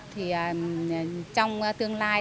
trong tương lai rất mong muốn